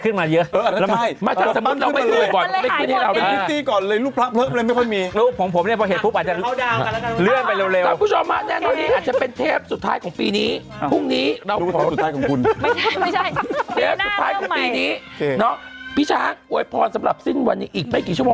นากตั้งแต่ปีนี้พี่ช้างอวยพรสำหรับสิ้นวันนี้อีกไปกี่ชั่วโมง